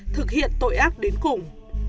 thực hiện tội ác đến cùng